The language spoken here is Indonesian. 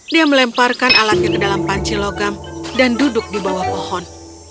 dia melemparkan alatnya ke dalam panci logam dan duduk di bawah pohon